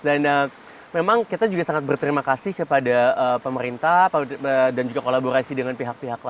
dan memang kita juga sangat berterima kasih kepada pemerintah dan juga kolaborasi dengan pihak pihak tpp